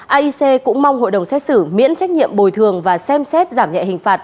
aic cũng mong hội đồng xét xử miễn trách nhiệm bồi thường và xem xét giảm nhẹ hình phạt